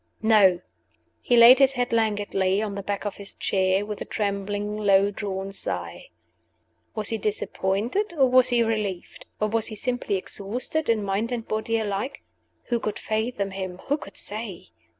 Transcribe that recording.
"No." He laid his head languidly on the back of his chair, with a trembling long drawn sigh. Was he disappointed? Or was he relieved? Or was he simply exhausted in mind and body alike? Who could fathom him? Who could say?